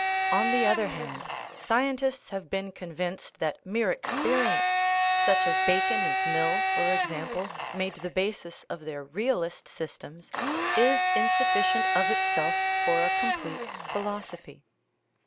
On the other hand, sci entists have been convinced that mere experience such as Bacon and Mill, for example, made the basis of their realist systems is insufficient of itself for a complete philosophy.